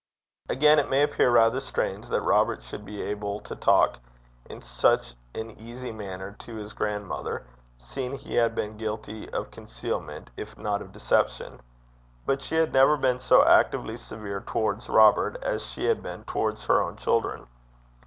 Again, it may appear rather strange that Robert should be able to talk in such an easy manner to his grandmother, seeing he had been guilty of concealment, if not of deception. But she had never been so actively severe towards Robert as she had been towards her own children.